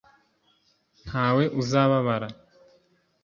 ntawe uzababara